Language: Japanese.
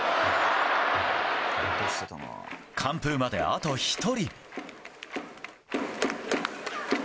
完封まで、あと１人。